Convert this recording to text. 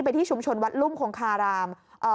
ที่ชุมชนวัดลุ่มคงคาราม